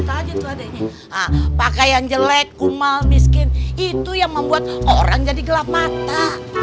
liat aja tuh adanya pakaian jelek kumal miskin itu yang membuat orang jadi gelap mata